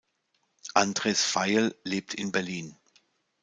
Andres Veiel lebt in Berlin.